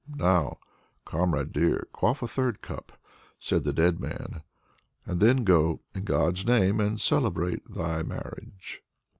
"Now, comrade dear, quaff a third cup!" said the dead man, "and then go, in God's name, and celebrate thy marriage!"